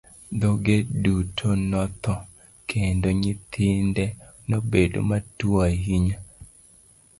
Dhoge duto notho, kendo nyithinde nobedo matuwo ahinya.